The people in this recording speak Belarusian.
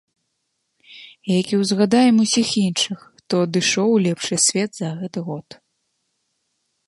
Як і ўзгадаем усіх іншых, хто адышоў у лепшы свет за гэты год.